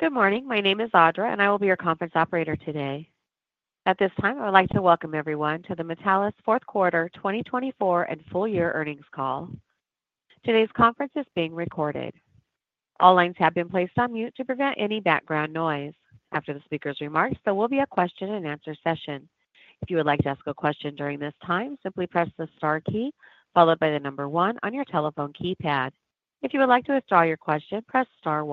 Good morning. My name is Audra, and I will be your conference operator today. At this time, I would like to welcome everyone to the Metallus fourth quarter 2024 and full year earnings call. Today's conference is being recorded. All lines have been placed on mute to prevent any background noise. After the speaker's remarks, there will be a question-and-answer session. If you would like to ask a question during this time, simply press the star key followed by the number one on your telephone keypad. If you would like to withdraw your question, press star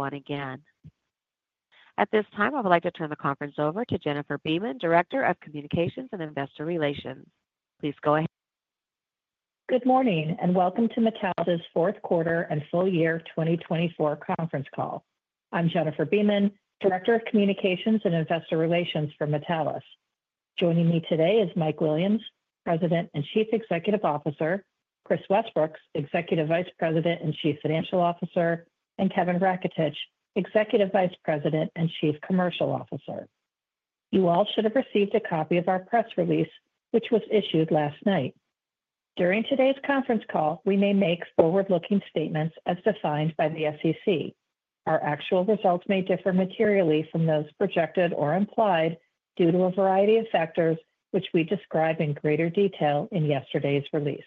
one again. At this time, I would like to turn the conference over to Jennifer Beeman, Director of Communications and Investor Relations. Please go ahead. Good morning and welcome to Metallus' fourth quarter and full year 2024 conference call. I'm Jennifer Beeman, Director of Communications and Investor Relations for Metallus. Joining me today is Mike Williams, President and Chief Executive Officer, Kris Westbrooks, Executive Vice President and Chief Financial Officer, and Kevin Raketich, Executive Vice President and Chief Commercial Officer. You all should have received a copy of our press release, which was issued last night. During today's conference call, we may make forward-looking statements as defined by the SEC. Our actual results may differ materially from those projected or implied due to a variety of factors, which we described in greater detail in yesterday's release.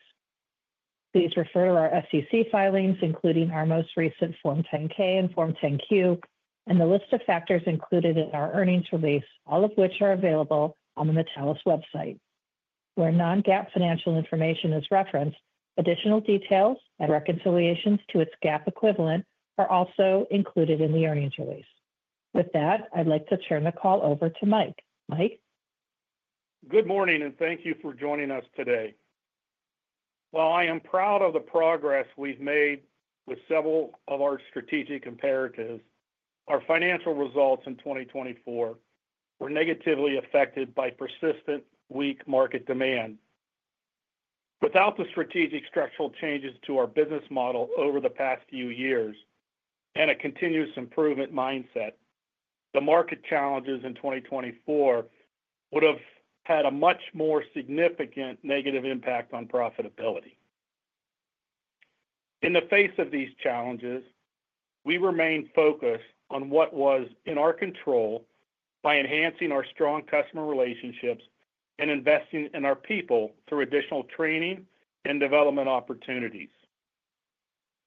Please refer to our SEC filings, including our most recent Form 10-K and Form 10-Q, and the list of factors included in our earnings release, all of which are available on the Metallus website. Where non-GAAP financial information is referenced, additional details and reconciliations to its GAAP equivalent are also included in the earnings release. With that, I'd like to turn the call over to Mike. Mike? Good morning and thank you for joining us today. While I am proud of the progress we've made with several of our strategic imperatives, our financial results in 2024 were negatively affected by persistent weak market demand. Without the strategic structural changes to our business model over the past few years and a continuous improvement mindset, the market challenges in 2024 would have had a much more significant negative impact on profitability. In the face of these challenges, we remained focused on what was in our control by enhancing our strong customer relationships and investing in our people through additional training and development opportunities.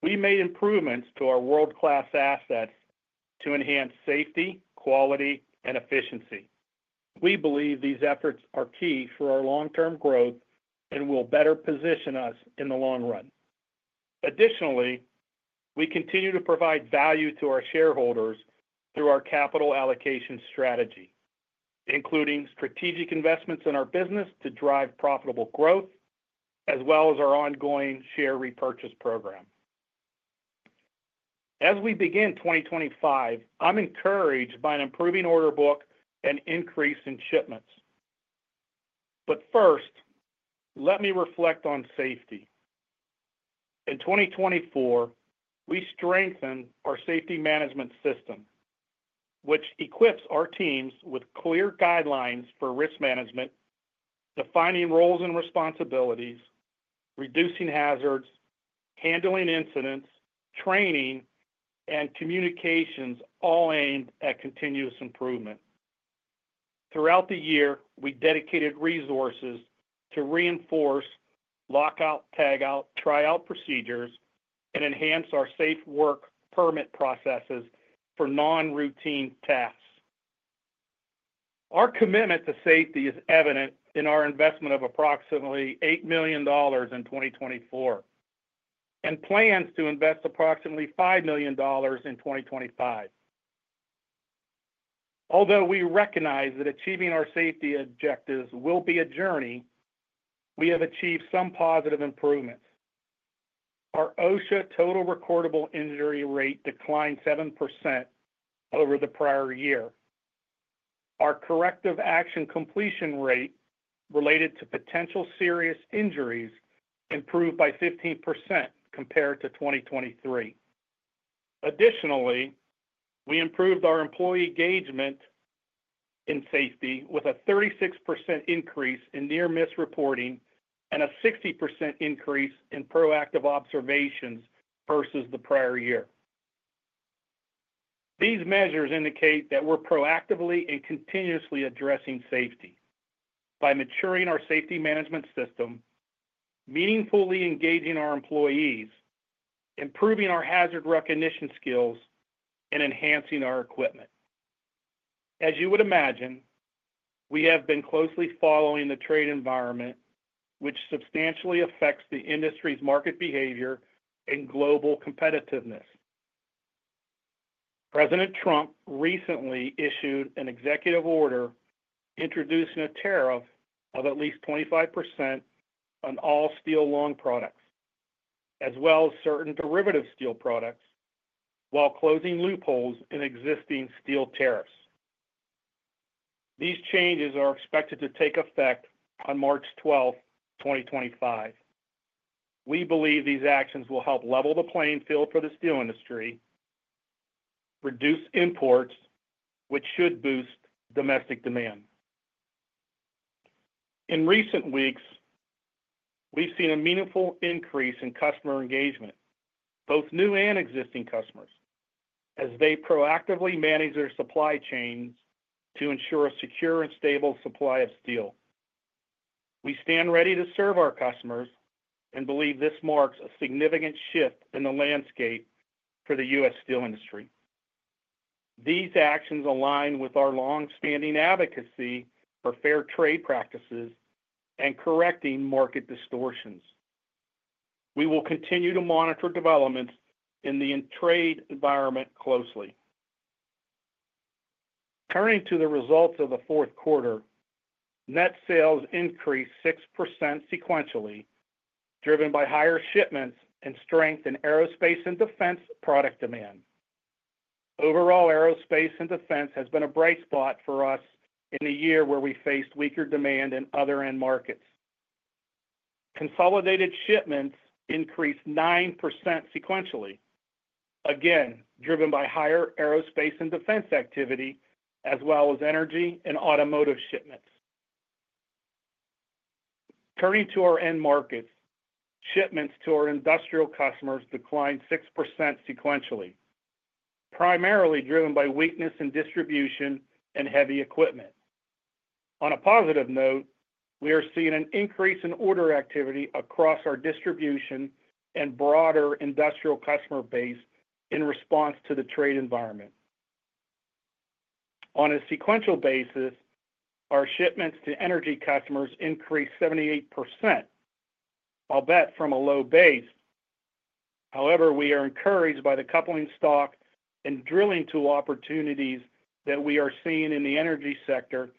We made improvements to our world-class assets to enhance safety, quality, and efficiency. We believe these efforts are key for our long-term growth and will better position us in the long run. Additionally, we continue to provide value to our shareholders through our capital allocation strategy, including strategic investments in our business to drive profitable growth, as well as our ongoing share repurchase program. As we begin 2025, I'm encouraged by an improving order book and increase in shipments. First, let me reflect on safety. In 2024, we strengthened our safety management system, which equips our teams with clear guidelines for risk management, defining roles and responsibilities, reducing hazards, handling incidents, training, and communications, all aimed at continuous improvement. Throughout the year, we dedicated resources to reinforce lockout, tagout, tryout procedures, and enhance our safe work permit processes for non-routine tasks. Our commitment to safety is evident in our investment of approximately $8 million in 2024 and plans to invest approximately $5 million in 2025. Although we recognize that achieving our safety objectives will be a journey, we have achieved some positive improvements. Our OSHA total recordable injury rate declined 7% over the prior year. Our corrective action completion rate related to potential serious injuries improved by 15% compared to 2023. Additionally, we improved our employee engagement in safety with a 36% increase in near-miss reporting and a 60% increase in proactive observations versus the prior year. These measures indicate that we're proactively and continuously addressing safety by maturing our safety management system, meaningfully engaging our employees, improving our hazard recognition skills, and enhancing our equipment. As you would imagine, we have been closely following the trade environment, which substantially affects the industry's market behavior and global competitiveness. President Trump recently issued an executive order introducing a tariff of at least 25% on all steel long products, as well as certain derivative steel products, while closing loopholes in existing steel tariffs. These changes are expected to take effect on March 12, 2025. We believe these actions will help level the playing field for the steel industry, reduce imports, which should boost domestic demand. In recent weeks, we've seen a meaningful increase in customer engagement, both new and existing customers, as they proactively manage their supply chains to ensure a secure and stable supply of steel. We stand ready to serve our customers and believe this marks a significant shift in the landscape for the U.S. steel industry. These actions align with our longstanding advocacy for fair trade practices and correcting market distortions. We will continue to monitor developments in the trade environment closely. Turning to the results of the fourth quarter, net sales increased 6% sequentially, driven by higher shipments and strength in aerospace and defense product demand. Overall, aerospace and defense has been a bright spot for us in a year where we faced weaker demand in other end markets. Consolidated shipments increased 9% sequentially, again driven by higher aerospace and defense activity, as well as energy and automotive shipments. Turning to our end markets, shipments to our industrial customers declined 6% sequentially, primarily driven by weakness in distribution and heavy equipment. On a positive note, we are seeing an increase in order activity across our distribution and broader industrial customer base in response to the trade environment. On a sequential basis, our shipments to energy customers increased 78%, albeit from a low base. However, we are encouraged by the coupling stock and drilling to opportunities that we are seeing in the energy sector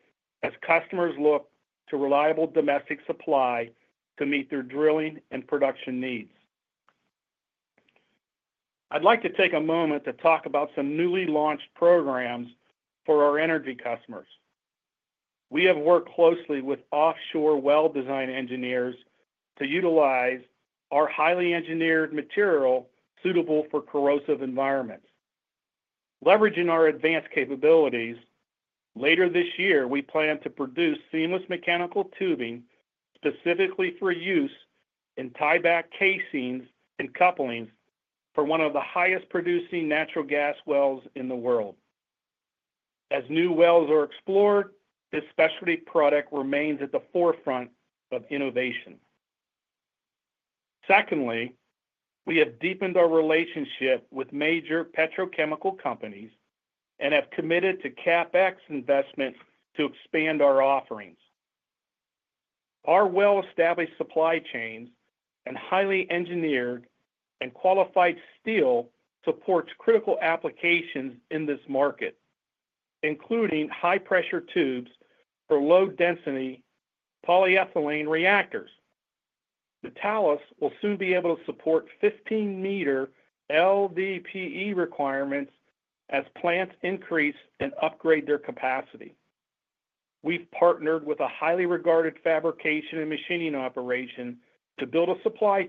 as customers look to reliable domestic supply to meet their drilling and production needs. I'd like to take a moment to talk about some newly launched programs for our energy customers. We have worked closely with offshore well-designed engineers to utilize our highly engineered material suitable for corrosive environments. Leveraging our advanced capabilities, later this year, we plan to produce seamless mechanical tubing specifically for use in tieback casings and couplings for one of the highest-producing natural gas wells in the world. As new wells are explored, this specialty product remains at the forefront of innovation. Secondly, we have deepened our relationship with major petrochemical companies and have committed to CapEx investments to expand our offerings. Our well-established supply chains and highly engineered and qualified steel support critical applications in this market, including high-pressure tubes for low-density polyethylene reactors. Metallus will soon be able to support 15-meter LDPE requirements as plants increase and upgrade their capacity. We've partnered with a highly regarded fabrication and machining operation to build a supply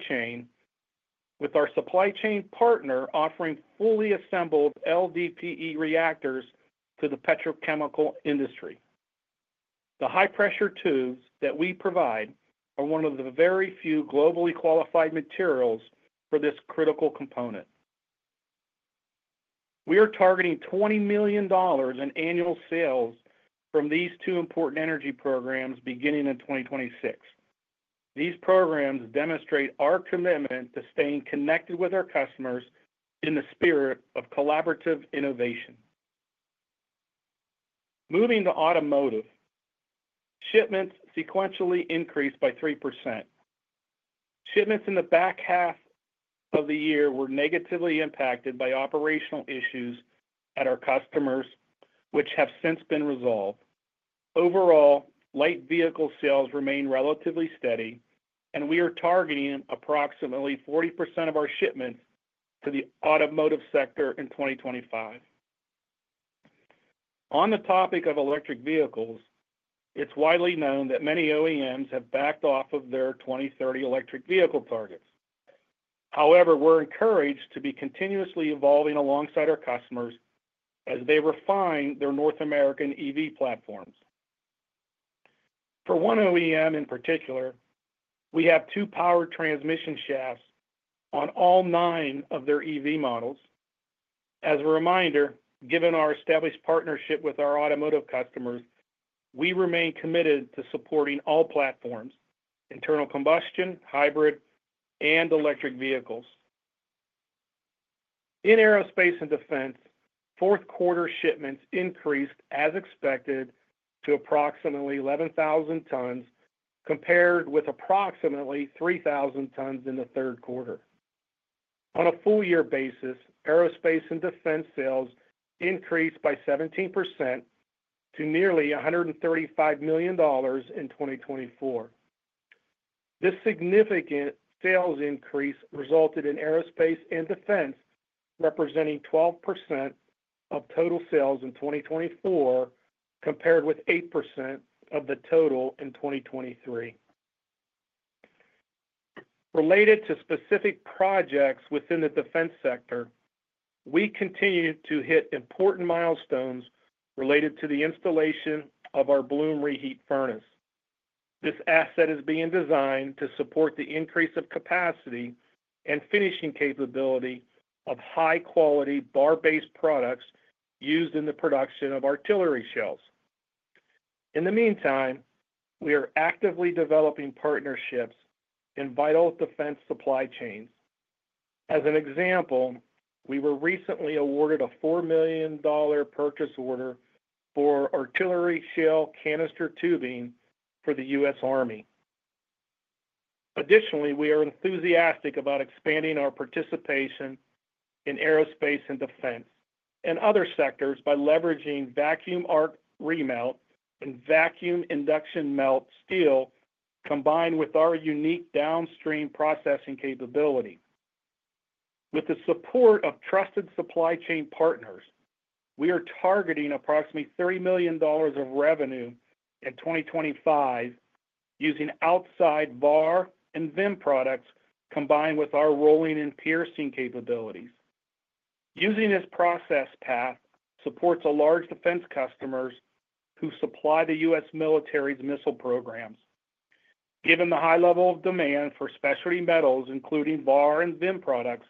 chain, with our supply chain partner offering fully assembled LDPE reactors to the petrochemical industry. The high-pressure tubes that we provide are one of the very few globally qualified materials for this critical component. We are targeting $20 million in annual sales from these two important energy programs beginning in 2026. These programs demonstrate our commitment to staying connected with our customers in the spirit of collaborative innovation. Moving to automotive, shipments sequentially increased by 3%. Shipments in the back half of the year were negatively impacted by operational issues at our customers, which have since been resolved. Overall, light vehicle sales remain relatively steady, and we are targeting approximately 40% of our shipments to the automotive sector in 2025. On the topic of electric vehicles, it's widely known that many OEMs have backed off of their 2030 electric vehicle targets. However, we're encouraged to be continuously evolving alongside our customers as they refine their North American EV platforms. For one OEM in particular, we have two power transmission shafts on all nine of their EV models. As a reminder, given our established partnership with our automotive customers, we remain committed to supporting all platforms: internal combustion, hybrid, and electric vehicles. In aerospace and defense, fourth-quarter shipments increased, as expected, to approximately 11,000 tons compared with approximately 3,000 tons in the third quarter. On a full-year basis, aerospace and defense sales increased by 17% to nearly $135 million in 2024. This significant sales increase resulted in aerospace and defense representing 12% of total sales in 2024 compared with 8% of the total in 2023. Related to specific projects within the defense sector, we continue to hit important milestones related to the installation of our Bloom Reheat Furnace. This asset is being designed to support the increase of capacity and finishing capability of high-quality bar-based products used in the production of artillery shells. In the meantime, we are actively developing partnerships in vital defense supply chains. As an example, we were recently awarded a $4 million purchase order for artillery shell canister tubing for the U.S. Army. Additionally, we are enthusiastic about expanding our participation in aerospace and defense and other sectors by leveraging vacuum arc remelt and vacuum induction melt steel combined with our unique downstream processing capability. With the support of trusted supply chain partners, we are targeting approximately $30 million of revenue in 2025 using outside VAR and VIM products combined with our rolling and piercing capabilities. Using this process path supports a large defense customer who supplies the U.S. military's missile programs. Given the high level of demand for specialty metals, including VAR and VIM products,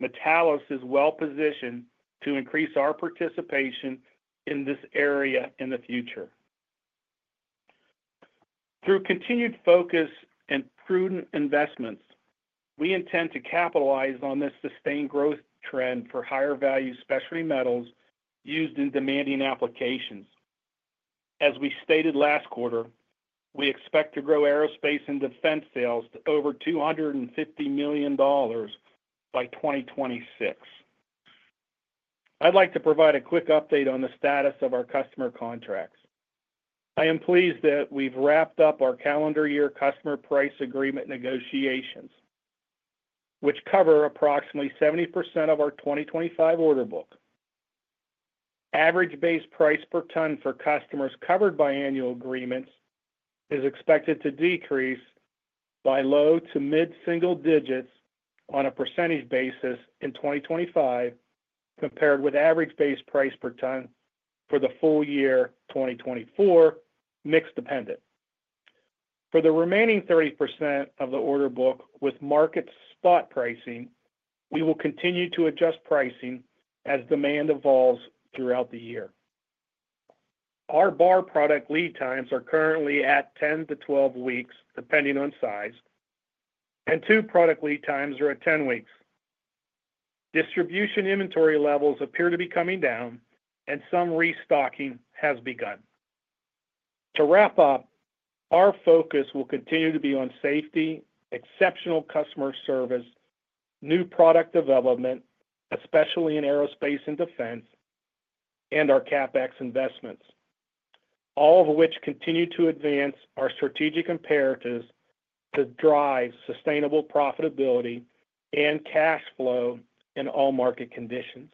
Metallus is well-positioned to increase our participation in this area in the future. Through continued focus and prudent investments, we intend to capitalize on this sustained growth trend for higher-value specialty metals used in demanding applications. As we stated last quarter, we expect to grow aerospace and defense sales to over $250 million by 2026. I'd like to provide a quick update on the status of our customer contracts. I am pleased that we've wrapped up our calendar year customer price agreement negotiations, which cover approximately 70% of our 2025 order book. Average base price per ton for customers covered by annual agreements is expected to decrease by low to mid-single digits on a % basis in 2025, compared with average base price per ton for the full year 2024, mix dependent. For the remaining 30% of the order book with market spot pricing, we will continue to adjust pricing as demand evolves throughout the year. Our bar product lead times are currently at 10-12 weeks, depending on size, and tube product lead times are at 10 weeks. Distribution inventory levels appear to be coming down, and some restocking has begun. To wrap up, our focus will continue to be on safety, exceptional customer service, new product development, especially in aerospace and defense, and our CapEx investments, all of which continue to advance our strategic imperatives to drive sustainable profitability and cash flow in all market conditions.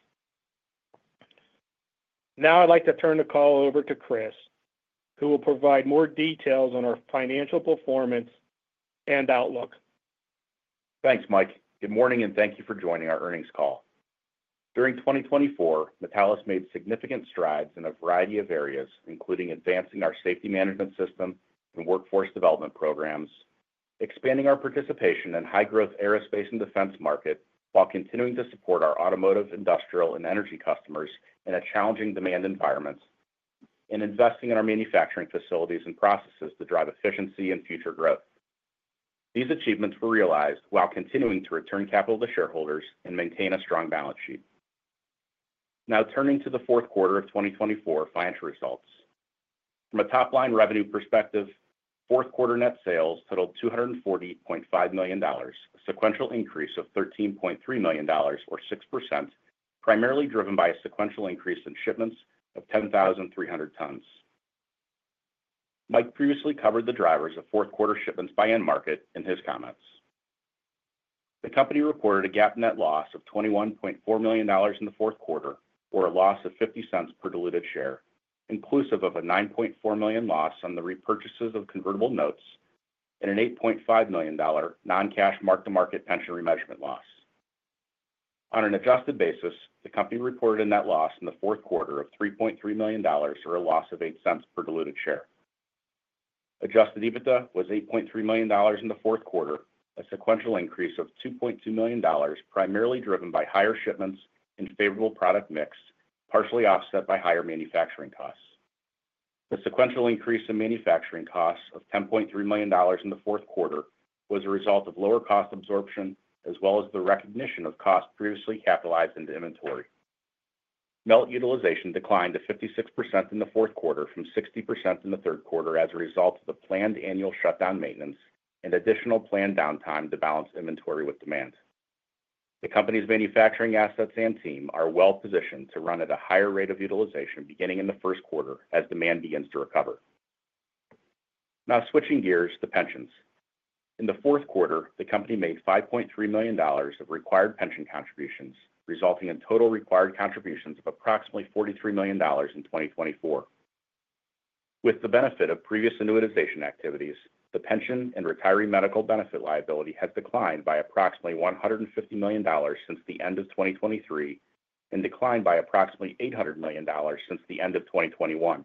Now, I'd like to turn the call over to Kris, who will provide more details on our financial performance and outlook. Thanks, Mike. Good morning, and thank you for joining our earnings call. During 2024, Metallus made significant strides in a variety of areas, including advancing our safety management system and workforce development programs, expanding our participation in the high-growth aerospace and defense market while continuing to support our automotive, industrial, and energy customers in a challenging demand environment, and investing in our manufacturing facilities and processes to drive efficiency and future growth. These achievements were realized while continuing to return capital to shareholders and maintain a strong balance sheet. Now, turning to the fourth quarter of 2024 financial results. From a top-line revenue perspective, fourth-quarter net sales totaled $240.5 million, a sequential increase of $13.3 million, or 6%, primarily driven by a sequential increase in shipments of 10,300 tons. Mike previously covered the drivers of fourth-quarter shipments by end market in his comments. The company reported a GAAP net loss of $21.4 million in the fourth quarter, or a loss of $0.50 per diluted share, inclusive of a $9.4 million loss on the repurchases of convertible notes and an $8.5 million non-cash mark-to-market pension remeasurement loss. On an adjusted basis, the company reported a net loss in the fourth quarter of $3.3 million, or a loss of $0.08 per diluted share. Adjusted EBITDA was $8.3 million in the fourth quarter, a sequential increase of $2.2 million, primarily driven by higher shipments and favorable product mix, partially offset by higher manufacturing costs. The sequential increase in manufacturing costs of $10.3 million in the fourth quarter was a result of lower cost absorption, as well as the recognition of costs previously capitalized into inventory. Melt utilization declined to 56% in the fourth quarter from 60% in the third quarter as a result of the planned annual shutdown maintenance and additional planned downtime to balance inventory with demand. The company's manufacturing assets and team are well-positioned to run at a higher rate of utilization beginning in the first quarter as demand begins to recover. Now, switching gears to pensions. In the fourth quarter, the company made $5.3 million of required pension contributions, resulting in total required contributions of approximately $43 million in 2024. With the benefit of previous innuitization activities, the pension and retiree medical benefit liability has declined by approximately $150 million since the end of 2023 and declined by approximately $800 million since the end of 2021.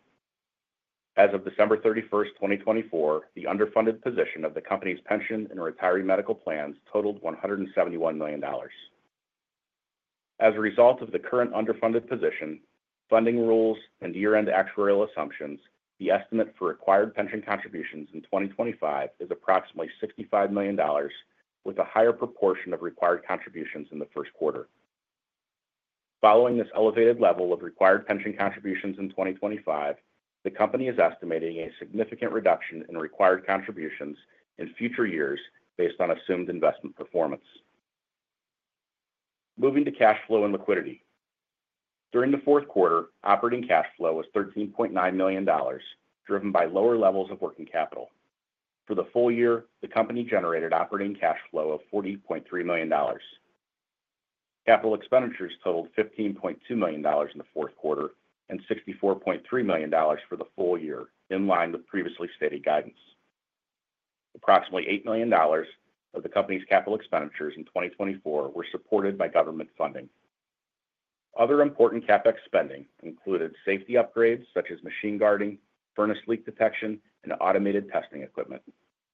As of December 31, 2024, the underfunded position of the company's pension and retiree medical plans totaled $171 million. As a result of the current underfunded position, funding rules, and year-end actuarial assumptions, the estimate for required pension contributions in 2025 is approximately $65 million, with a higher proportion of required contributions in the first quarter. Following this elevated level of required pension contributions in 2025, the company is estimating a significant reduction in required contributions in future years based on assumed investment performance. Moving to cash flow and liquidity. During the fourth quarter, operating cash flow was $13.9 million, driven by lower levels of working capital. For the full year, the company generated operating cash flow of $40.3 million. Capital expenditures totaled $15.2 million in the fourth quarter and $64.3 million for the full year, in line with previously stated guidance. Approximately $8 million of the company's capital expenditures in 2024 were supported by government funding. Other important CapEx spending included safety upgrades such as machine guarding, furnace leak detection, and automated testing equipment.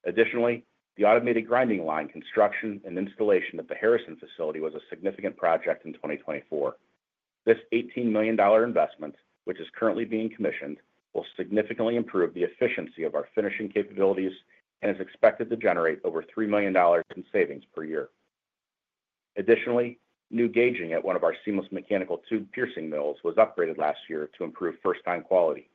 Additionally, the automated grinding line construction and installation at the Harrison facility was a significant project in 2024. This $18 million investment, which is currently being commissioned, will significantly improve the efficiency of our finishing capabilities and is expected to generate over $3 million in savings per year. Additionally, new gauging at one of our seamless mechanical tube piercing mills was upgraded last year to improve first-time quality.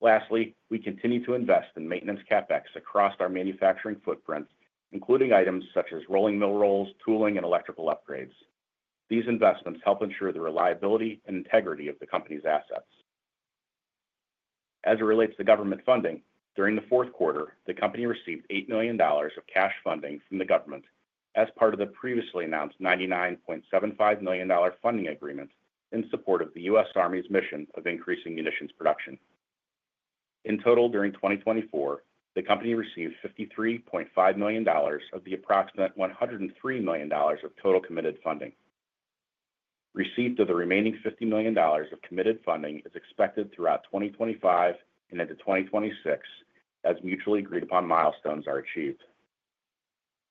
Lastly, we continue to invest in maintenance CapEx across our manufacturing footprint, including items such as rolling mill rolls, tooling, and electrical upgrades. These investments help ensure the reliability and integrity of the company's assets. As it relates to government funding, during the fourth quarter, the company received $8 million of cash funding from the government as part of the previously announced $99.75 million funding agreement in support of the U.S. Army's mission of increasing munitions production. In total, during 2024, the company received $53.5 million of the approximate $103 million of total committed funding. Receipt of the remaining $50 million of committed funding is expected throughout 2025 and into 2026 as mutually agreed-upon milestones are achieved.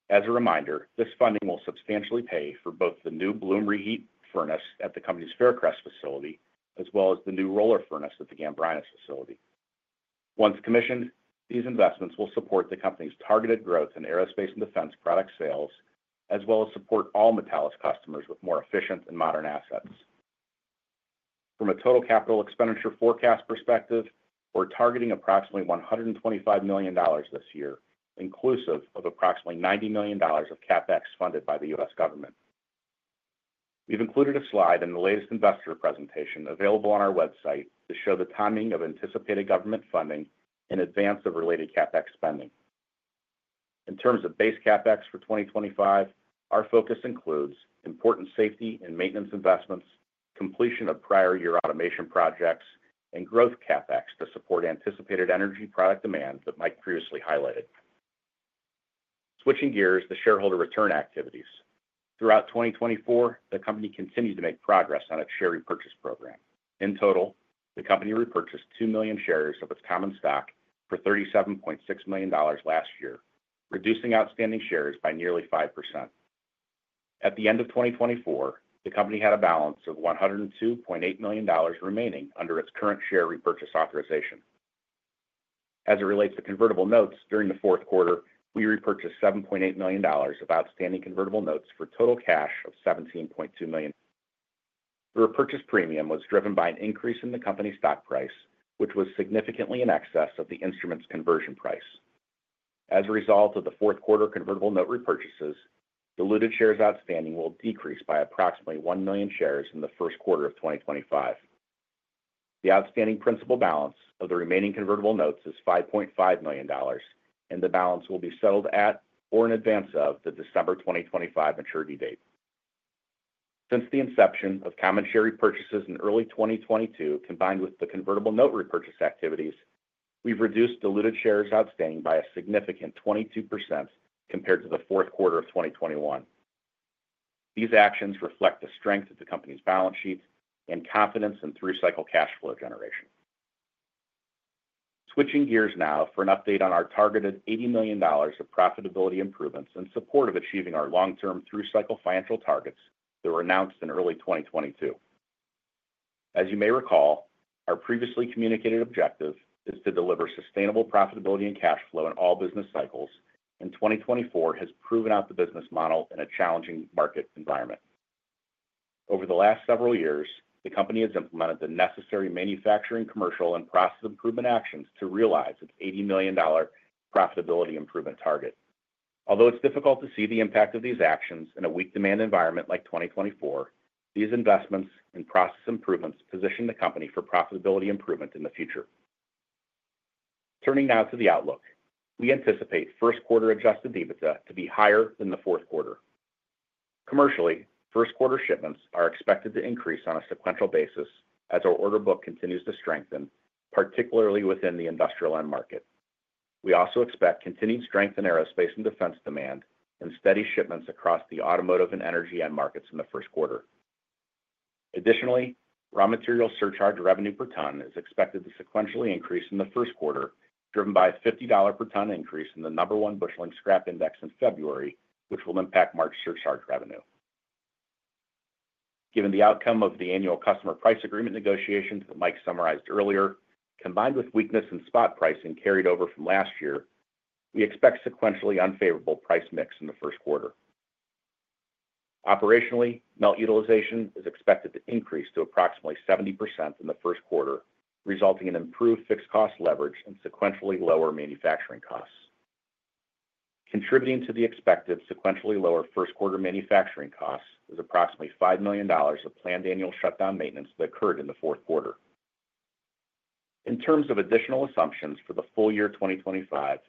As a reminder, this funding will substantially pay for both the new Bloom Reheat furnace at the company's Faircrest facility as well as the new roller furnace at the Gambrinus facility. Once commissioned, these investments will support the company's targeted growth in aerospace and defense product sales, as well as support all Metallus customers with more efficient and modern assets. From a total capital expenditure forecast perspective, we're targeting approximately $125 million this year, inclusive of approximately $90 million of CapEx funded by the U.S. government. We've included a slide in the latest investor presentation available on our website to show the timing of anticipated government funding in advance of related CapEx spending. In terms of base CapEx for 2025, our focus includes important safety and maintenance investments, completion of prior-year automation projects, and growth CapEx to support anticipated energy product demand that Mike previously highlighted. Switching gears to shareholder return activities. Throughout 2024, the company continued to make progress on its share repurchase program. In total, the company repurchased 2 million shares of its common stock for $37.6 million last year, reducing outstanding shares by nearly 5%. At the end of 2024, the company had a balance of $102.8 million remaining under its current share repurchase authorization. As it relates to convertible notes, during the fourth quarter, we repurchased $7.8 million of outstanding convertible notes for a total cash of $17.2 million. The repurchase premium was driven by an increase in the company's stock price, which was significantly in excess of the instrument's conversion price. As a result of the fourth quarter convertible note repurchases, diluted shares outstanding will decrease by approximately 1 million shares in the first quarter of 2025. The outstanding principal balance of the remaining convertible notes is $5.5 million, and the balance will be settled at or in advance of the December 2025 maturity date. Since the inception of common share repurchases in early 2022, combined with the convertible note repurchase activities, we've reduced diluted shares outstanding by a significant 22% compared to the fourth quarter of 2021. These actions reflect the strength of the company's balance sheet and confidence in through-cycle cash flow generation. Switching gears now for an update on our targeted $80 million of profitability improvements in support of achieving our long-term through-cycle financial targets that were announced in early 2022. As you may recall, our previously communicated objective is to deliver sustainable profitability and cash flow in all business cycles, and 2024 has proven out the business model in a challenging market environment. Over the last several years, the company has implemented the necessary manufacturing, commercial, and process improvement actions to realize its $80 million profitability improvement target. Although it's difficult to see the impact of these actions in a weak demand environment like 2024, these investments and process improvements position the company for profitability improvement in the future. Turning now to the outlook, we anticipate first-quarter adjusted EBITDA to be higher than the fourth quarter. Commercially, first-quarter shipments are expected to increase on a sequential basis as our order book continues to strengthen, particularly within the industrial end market. We also expect continued strength in aerospace and defense demand and steady shipments across the automotive and energy end markets in the first quarter. Additionally, raw material surcharge revenue per ton is expected to sequentially increase in the first quarter, driven by a $50 per ton increase in the number one busheling scrap index in February, which will impact March surcharge revenue. Given the outcome of the annual customer price agreement negotiations that Mike summarized earlier, combined with weakness in spot pricing carried over from last year, we expect sequentially unfavorable price mix in the first quarter. Operationally, melt utilization is expected to increase to approximately 70% in the first quarter, resulting in improved fixed cost leverage and sequentially lower manufacturing costs. Contributing to the expected sequentially lower first-quarter manufacturing costs is approximately $5 million of planned annual shutdown maintenance that occurred in the fourth quarter. In terms of additional assumptions for the full year 2025,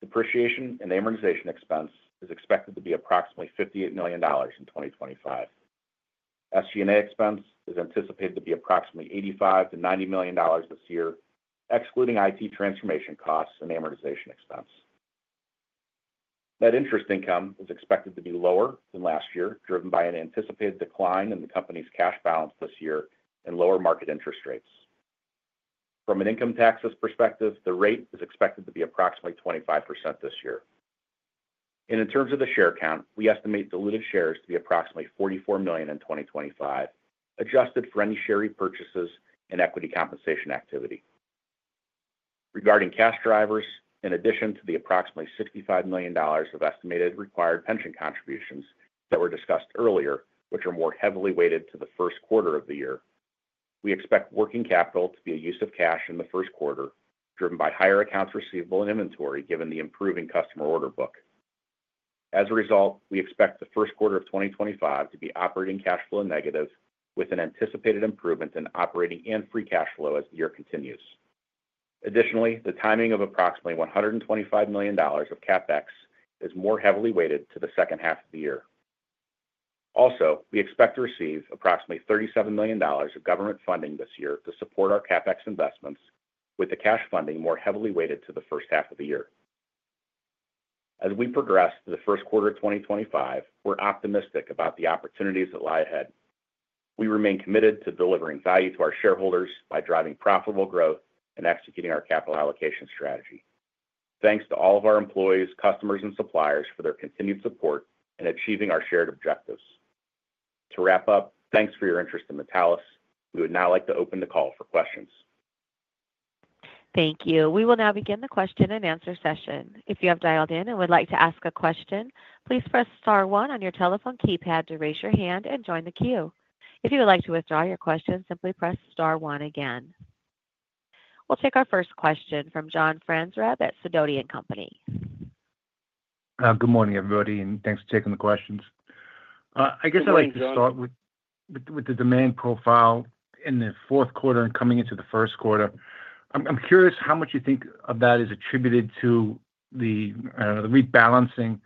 depreciation and amortization expense is expected to be approximately $58 million in 2025. SG&A expense is anticipated to be approximately $85-$90 million this year, excluding IT transformation costs and amortization expense. Net interest income is expected to be lower than last year, driven by an anticipated decline in the company's cash balance this year and lower market interest rates. From an income taxes perspective, the rate is expected to be approximately 25% this year. In terms of the share count, we estimate diluted shares to be approximately $44 million in 2025, adjusted for any share repurchases and equity compensation activity. Regarding cash drivers, in addition to the approximately $65 million of estimated required pension contributions that were discussed earlier, which are more heavily weighted to the first quarter of the year, we expect working capital to be a use of cash in the first quarter, driven by higher accounts receivable and inventory given the improving customer order book. As a result, we expect the first quarter of 2025 to be operating cash flow negative, with an anticipated improvement in operating and free cash flow as the year continues. Additionally, the timing of approximately $125 million of CapEx is more heavily weighted to the second half of the year. Also, we expect to receive approximately $37 million of government funding this year to support our CapEx investments, with the cash funding more heavily weighted to the first half of the year. As we progress to the first quarter of 2025, we're optimistic about the opportunities that lie ahead. We remain committed to delivering value to our shareholders by driving profitable growth and executing our capital allocation strategy. Thanks to all of our employees, customers, and suppliers for their continued support in achieving our shared objectives. To wrap up, thanks for your interest in Metallus. We would now like to open the call for questions. Thank you. We will now begin the question and answer session. If you have dialed in and would like to ask a question, please press Star 1 on your telephone keypad to raise your hand and join the queue. If you would like to withdraw your question, simply press Star 1 again. We'll take our first question from John Zaranec at Stonegate. Good morning, everybody, and thanks for taking the questions. I guess I'd like to start with the demand profile in the fourth quarter and coming into the first quarter. I'm curious how much you think of that is attributed to the rebalancing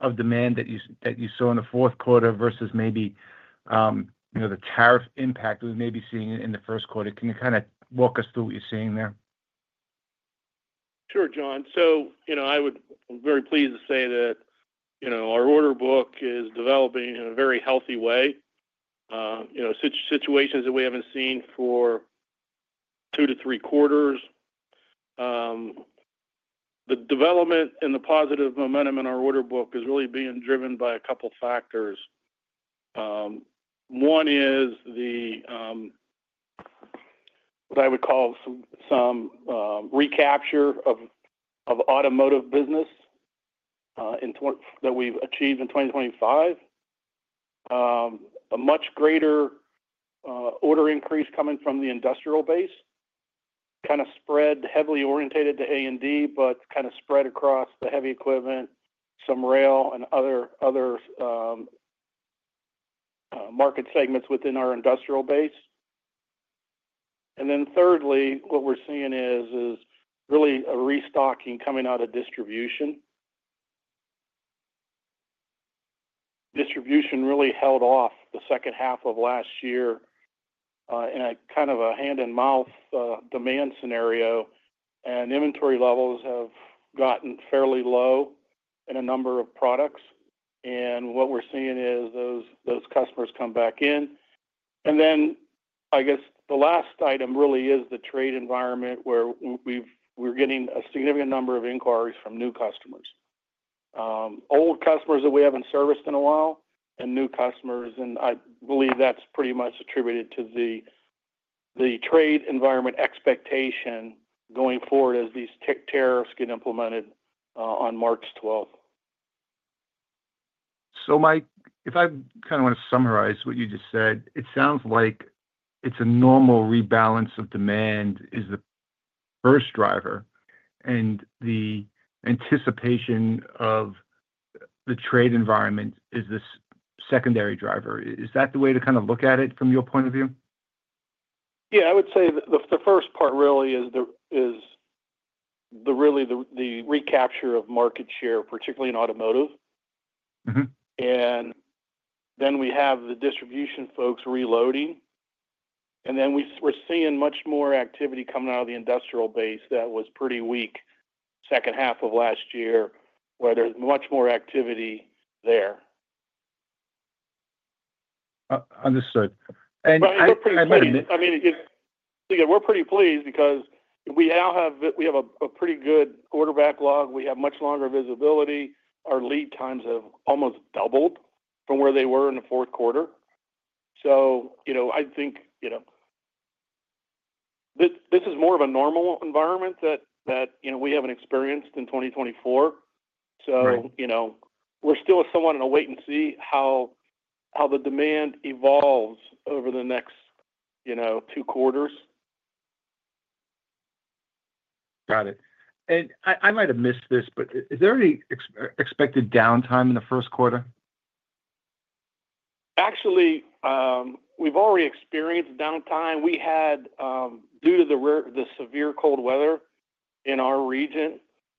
of demand that you saw in the fourth quarter versus maybe the tariff impact we may be seeing in the first quarter. Can you kind of walk us through what you're seeing there? Sure, John. I would be very pleased to say that our order book is developing in a very healthy way. Situations that we have not seen for two to three quarters. The development and the positive momentum in our order book is really being driven by a couple of factors. One is what I would call some recapture of automotive business that we have achieved in 2025. A much greater order increase coming from the industrial base, kind of spread heavily orientated to A and D, but kind of spread across the heavy equipment, some rail, and other market segments within our industrial base. Thirdly, what we are seeing is really a restocking coming out of distribution. Distribution really held off the second half of last year in a kind of a hand-in-mouth demand scenario, and inventory levels have gotten fairly low in a number of products. What we're seeing is those customers come back in. I guess the last item really is the trade environment where we're getting a significant number of inquiries from new customers. Old customers that we haven't serviced in a while and new customers. I believe that's pretty much attributed to the trade environment expectation going forward as these tariffs get implemented on March 12th. Mike, if I kind of want to summarize what you just said, it sounds like it's a normal rebalance of demand is the first driver, and the anticipation of the trade environment is the secondary driver. Is that the way to kind of look at it from your point of view? Yeah. I would say the first part really is really the recapture of market share, particularly in automotive. We have the distribution folks reloading. We are seeing much more activity coming out of the industrial base that was pretty weak second half of last year, where there is much more activity there. Understood. I mean, again, we are pretty pleased because we have a pretty good order backlog. We have much longer visibility. Our lead times have almost doubled from where they were in the fourth quarter. I think this is more of a normal environment that we have not experienced in 2024. We are still somewhat in a wait-and-see how the demand evolves over the next two quarters. Got it. I might have missed this, but is there any expected downtime in the first quarter? Actually, we have already experienced downtime. We had, due to the severe cold weather in our region,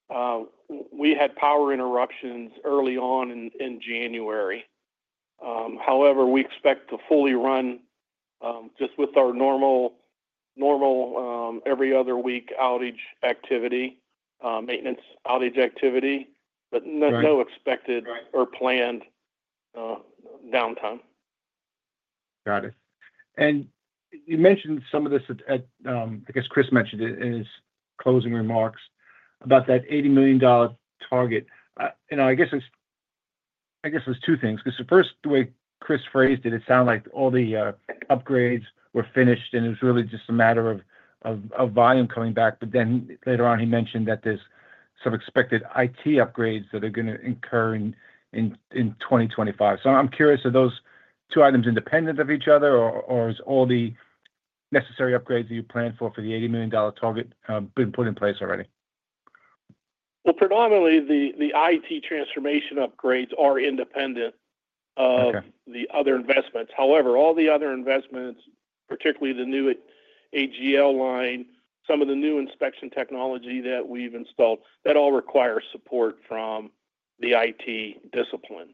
power interruptions early on in January. However, we expect to fully run just with our normal every other week maintenance outage activity, but no expected or planned downtime. Got it. You mentioned some of this at, I guess Kris mentioned it in his closing remarks about that $80 million target. I guess there are two things. First, the way Kris phrased it, it sounded like all the upgrades were finished, and it was really just a matter of volume coming back. Later on, he mentioned that there are some expected IT upgrades that are going to occur in 2025. I am curious, are those two items independent of each other, or have all the necessary upgrades that you planned for for the $80 million target been put in place already? Predominantly, the IT transformation upgrades are independent of the other investments. However, all the other investments, particularly the new AGL line, some of the new inspection technology that we've installed, that all require support from the IT discipline.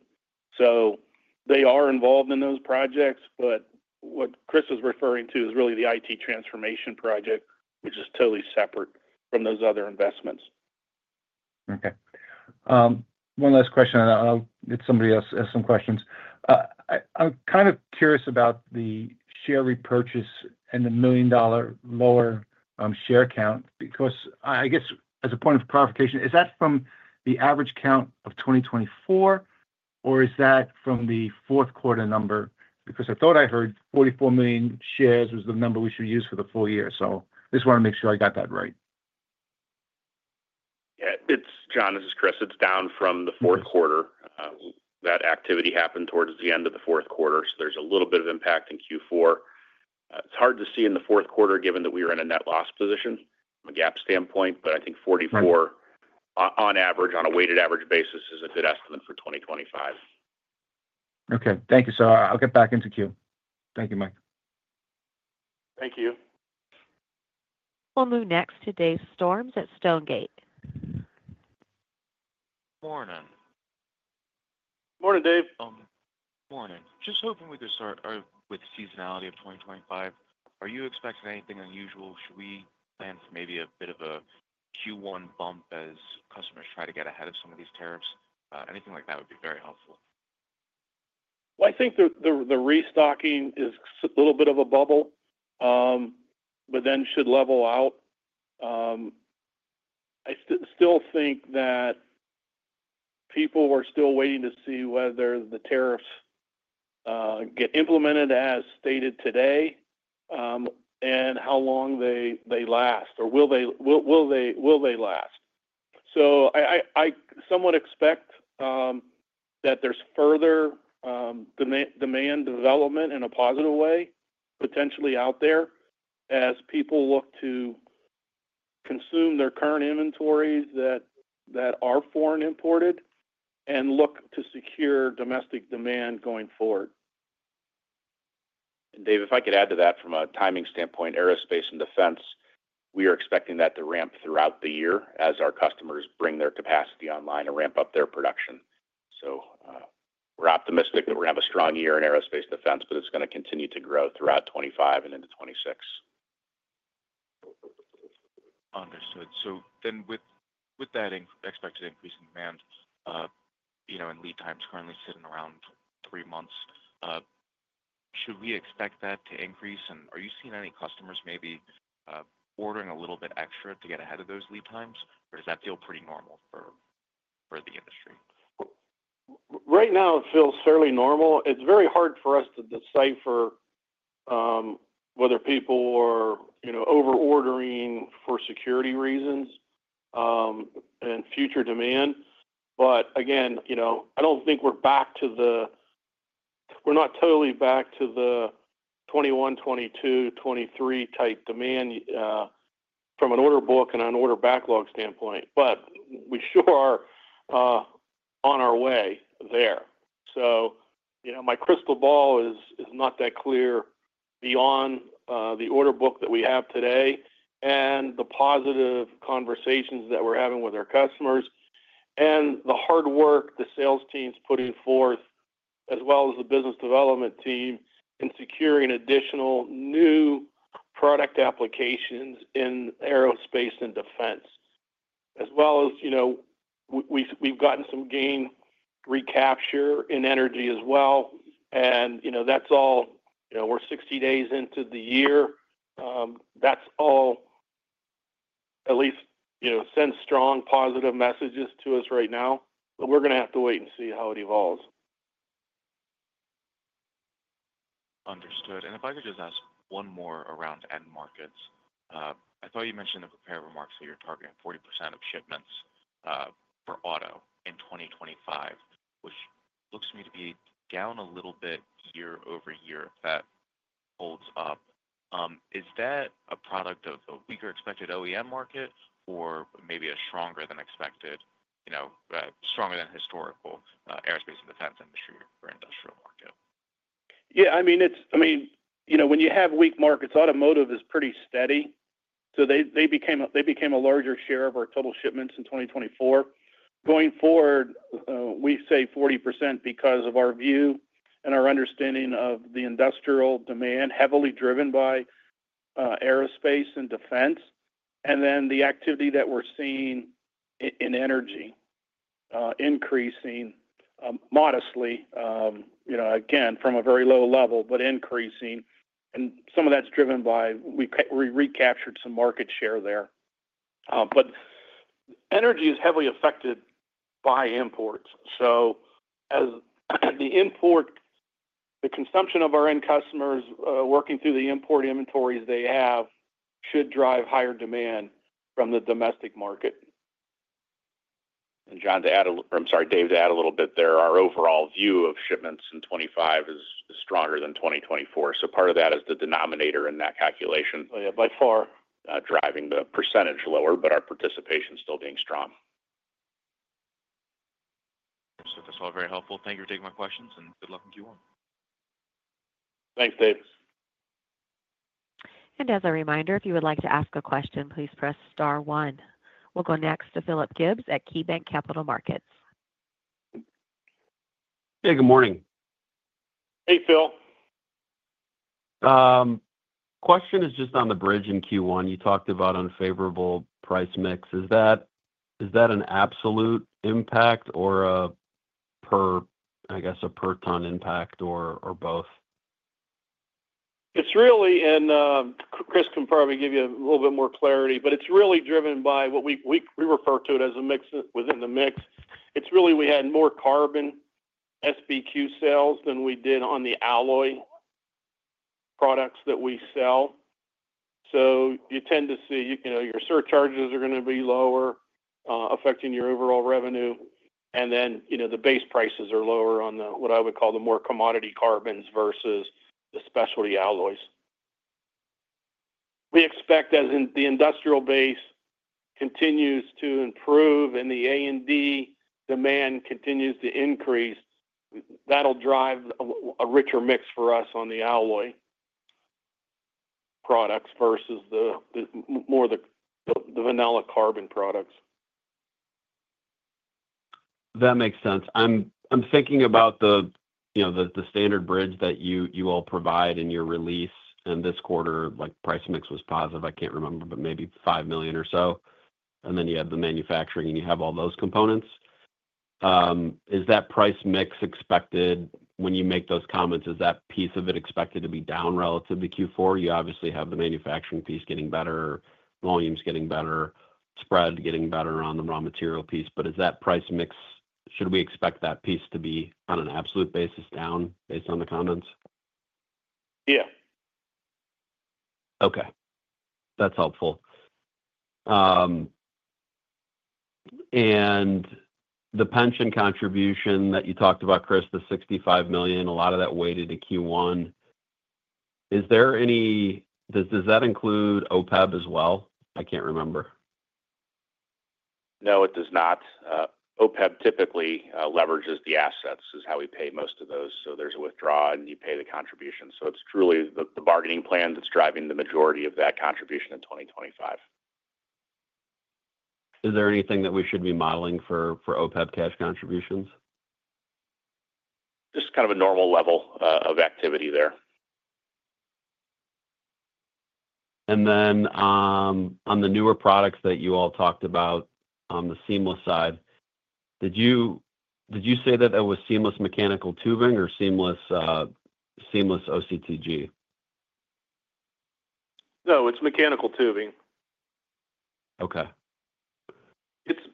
They are involved in those projects, but what Kris is referring to is really the IT transformation project, which is totally separate from those other investments. Okay. One last question. I'll let somebody else ask some questions. I'm kind of curious about the share repurchase and the million-dollar lower share count. Because I guess, as a point of clarification, is that from the average count of 2024, or is that from the fourth quarter number? Because I thought I heard 44 million shares was the number we should use for the full year. I just want to make sure I got that right. Yeah. John, this is Kris. It's down from the fourth quarter. That activity happened towards the end of the fourth quarter, so there's a little bit of impact in Q4. It's hard to see in the fourth quarter given that we were in a net loss position from a GAAP standpoint, but I think 44 on average, on a weighted average basis, is a good estimate for 2025. Okay. Thank you. I'll get back into queue. Thank you, Mike. Thank you. We'll move next to Dave Storms at Stonegate. Morning. Morning, Dave. Morning. Just hoping we could start with seasonality of 2025. Are you expecting anything unusual? Should we plan for maybe a bit of a Q1 bump as customers try to get ahead of some of these tariffs? Anything like that would be very helpful. I think the restocking is a little bit of a bubble, but then should level out. I still think that people are still waiting to see whether the tariffs get implemented as stated today and how long they last or will they last. I somewhat expect that there is further demand development in a positive way potentially out there as people look to consume their current inventories that are foreign imported and look to secure domestic demand going forward. Dave, if I could add to that from a timing standpoint, aerospace and defense, we are expecting that to ramp throughout the year as our customers bring their capacity online and ramp up their production. We are optimistic that we are going to have a strong year in aerospace defense, but it is going to continue to grow throughout 2025 and into 2026. Understood. With that expected increase in demand and lead times currently sitting around three months, should we expect that to increase? Are you seeing any customers maybe ordering a little bit extra to get ahead of those lead times, or does that feel pretty normal for the industry? Right now, it feels fairly normal. It's very hard for us to decipher whether people are over-ordering for security reasons and future demand. I don't think we're totally back to the 2021, 2022, 2023 type demand from an order book and an order backlog standpoint, but we sure are on our way there. My crystal ball is not that clear beyond the order book that we have today and the positive conversations that we're having with our customers and the hard work the sales team's putting forth, as well as the business development team in securing additional new product applications in aerospace and defense. As well as we've gotten some gain recapture in energy as well. That's all we're 60 days into the year. That's all at least sends strong positive messages to us right now, but we're going to have to wait and see how it evolves. Understood. If I could just ask one more around end markets. I thought you mentioned in the prepared remarks that you're targeting 40% of shipments for auto in 2025, which looks to me to be down a little bit year over year if that holds up. Is that a product of a weaker expected OEM market or maybe a stronger than historical aerospace and defense industry or industrial market? Yeah. I mean, when you have weak markets, automotive is pretty steady. They became a larger share of our total shipments in 2024. Going forward, we say 40% because of our view and our understanding of the industrial demand heavily driven by aerospace and defense. The activity that we're seeing in energy is increasing modestly, again, from a very low level, but increasing. Some of that's driven by we recaptured some market share there. Energy is heavily affected by imports. As the import, the consumption of our end customers working through the import inventories they have should drive higher demand from the domestic market. John, to add a—I'm sorry, Dave, to add a little bit there, our overall view of shipments in 2025 is stronger than 2024. Part of that is the denominator in that calculation. By far driving the percentage lower, but our participation is still being strong. That's all very helpful. Thank you for taking my questions, and good luck in Q1. Thanks, Dave. As a reminder, if you would like to ask a question, please press star one. We'll go next to Philip Gibbs at KeyBanc Capital Markets. Hey, good morning. Hey, Phil. Question is just on the bridge in Q1. You talked about unfavorable price mix. Is that an absolute impact or, I guess, a per ton impact or both? It's really—and Kris can probably give you a little bit more clarity—but it's really driven by what we refer to as a mix within the mix. It's really we had more carbon SBQ sales than we did on the alloy products that we sell. You tend to see your surcharges are going to be lower, affecting your overall revenue. The base prices are lower on what I would call the more commodity carbons versus the specialty alloys. We expect as the industrial base continues to improve and the A and D demand continues to increase, that'll drive a richer mix for us on the alloy products versus more of the vanilla carbon products. That makes sense. I'm thinking about the standard bridge that you all provide in your release. This quarter, price mix was positive. I can't remember, but maybe $5 million or so. And then you have the manufacturing, and you have all those components. Is that price mix expected when you make those comments? Is that piece of it expected to be down relative to Q4? You obviously have the manufacturing piece getting better, volumes getting better, spread getting better on the raw material piece. Is that price mix—should we expect that piece to be on an absolute basis down based on the comments? Yeah. Okay. That's helpful. The pension contribution that you talked about, Kris, the $65 million, a lot of that weighted in Q1. Does that include OPEB as well? I can't remember. No, it does not. OPEB typically leverages the assets is how we pay most of those. There is a withdrawal, and you pay the contribution. It is truly the bargaining plan that is driving the majority of that contribution in 2025. Is there anything that we should be modeling for OPEB cash contributions? Just kind of a normal level of activity there. On the newer products that you all talked about on the seamless side, did you say that it was seamless mechanical tubing or seamless OCTG? No, it is mechanical tubing. It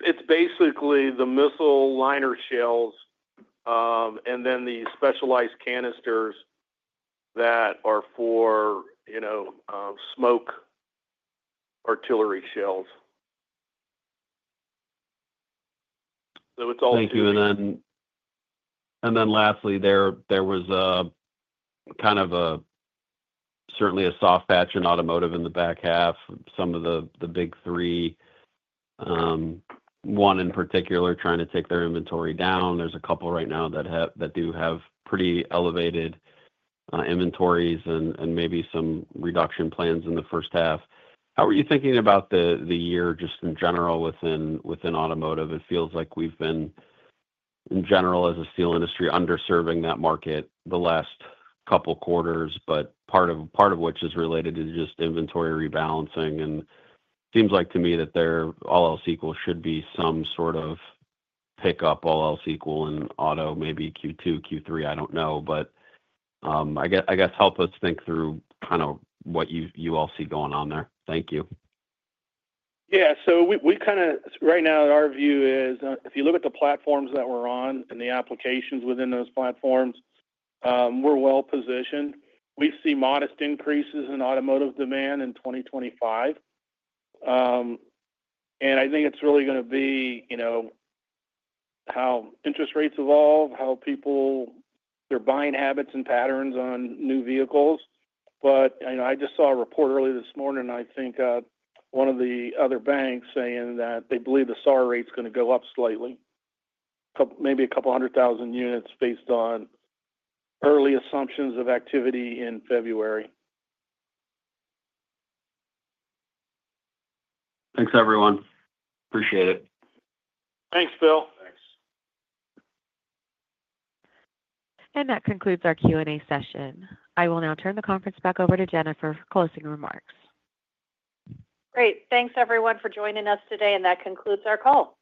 is basically the missile liner shells and then the specialized canisters that are for smoke artillery shells. It is all— Thank you. Lastly, there was kind of certainly a soft patch in automotive in the back half. Some of the big three, one in particular, trying to take their inventory down. There are a couple right now that do have pretty elevated inventories and maybe some reduction plans in the first half. How are you thinking about the year just in general within automotive? It feels like we have been, in general, as a steel industry, underserving that market the last couple of quarters, part of which is related to just inventory rebalancing. It seems to me that there all else equal should be some sort of pickup, all else equal in auto, maybe Q2, Q3. I do not know. I guess help us think through what you all see going on there. Thank you. Yeah. Right now, our view is if you look at the platforms that we're on and the applications within those platforms, we're well positioned. We see modest increases in automotive demand in 2025. I think it's really going to be how interest rates evolve, how people—their buying habits and patterns on new vehicles. I just saw a report early this morning, I think, one of the other banks saying that they believe the SAAR rate's going to go up slightly, maybe a couple hundred thousand units based on early assumptions of activity in February. Thanks, everyone. Appreciate it. Thanks, Phil. Thanks. That concludes our Q&A session. I will now turn the conference back over to Jennifer for closing remarks. Great. Thanks, everyone, for joining us today. That concludes our call.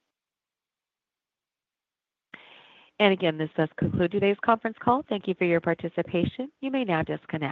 Again, this does conclude today's conference call. Thank you for your participation. You may now disconnect.